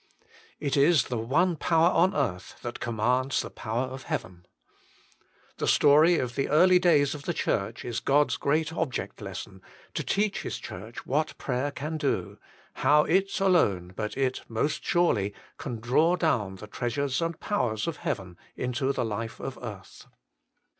It is the one power on earth that commands the power of heaven. The story of the early days of the Church is God s great object lesson, to teach His Church si 32 THE MINISTRY OF INTERCESSION what prayer can do, how it alone, but it most surely, can draw down the treasures and powers of heaven into the life of earth.